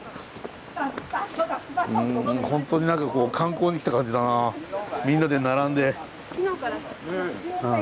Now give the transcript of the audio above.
ホントに何か観光に来た感じだなみんなで並んで。